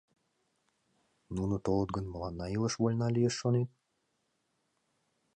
Нуно толыт гын, мыланна илыш вольна лиеш, шонет?